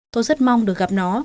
tôi rất mong được gặp nó